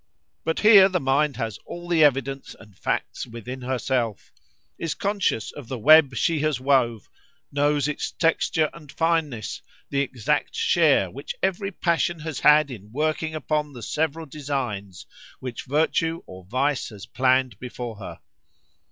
_ But here the mind has all the evidence and facts within herself;——is conscious of the web she has wove;——knows its texture and fineness, and the exact share which every passion has had in working upon the several designs which virtue or vice has planned before her."